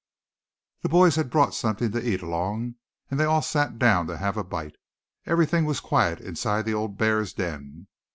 The boys had brought something to eat along, and they all sat down to have a bite. Everything was quiet inside the old bear's den.